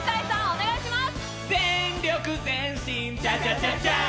お願いします！